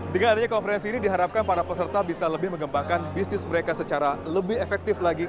dengan adanya konferensi ini diharapkan para peserta bisa lebih mengembangkan bisnis mereka secara lebih efektif lagi